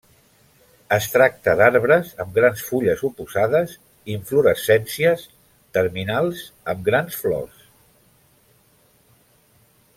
Es tracta d'arbres amb grans fulles oposades, inflorescències terminals amb grans flors.